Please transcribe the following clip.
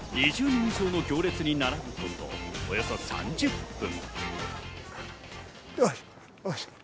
２０人以上の行列に並ぶことおよそ３０分。